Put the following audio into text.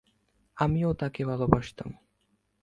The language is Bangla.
আমিও তাকে ভালোবাসতাম।